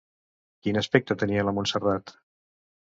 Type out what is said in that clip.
Quin aspecte tenia la Montserrat?